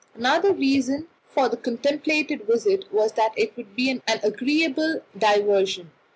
Another reason for the contemplated visit was that it would be an agreeable diversion.